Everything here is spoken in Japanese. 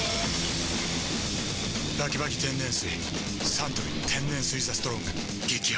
サントリー天然水「ＴＨＥＳＴＲＯＮＧ」激泡